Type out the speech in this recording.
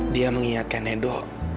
dia mengingatkan edo